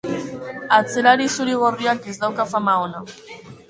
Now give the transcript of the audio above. Atzelari zuri-gorriak ez dauka fama ona.